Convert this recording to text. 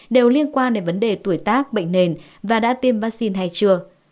đều liên quan đến vấn đề tuổi tác bệnh nền và đã tiêm vaccine hay chưa